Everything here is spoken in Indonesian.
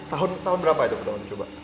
tahun berapa itu pertama coba